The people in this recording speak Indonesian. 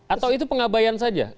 atau itu pengabayan saja